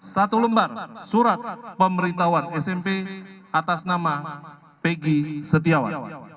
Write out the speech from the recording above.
satu lembar surat pemerintahuan smp atas nama peggy setiawa